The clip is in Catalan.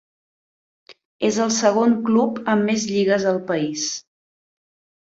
És el segon club amb més lligues al país.